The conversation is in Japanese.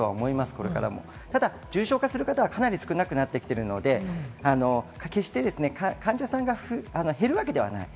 これからも重症化する方はかなり少なくなっているので、決して患者さんが減るわけではない。